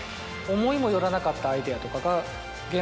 思いも寄らなかったアイデアとかが。